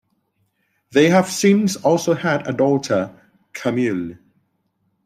They have since also had a daughter, Camile.